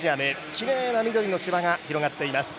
きれいな緑の芝が広がっています。